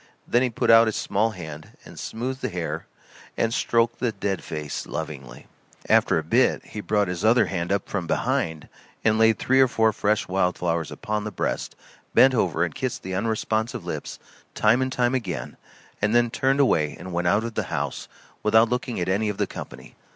Then he put out his small hand and smoothed the hair and stroked the dead face lovingly. After a bit he brought his other hand up from behind him and laid three or four fresh wild flowers upon the breast, bent over and kissed the unresponsive lips time and time again, and then turned away and went out of the house without looking at any of the company.